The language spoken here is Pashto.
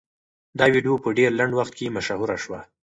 دا ویډیو په ډېر لنډ وخت کې مشهوره شوه.